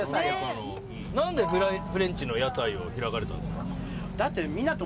何でフレンチの屋台を開かれたんですか？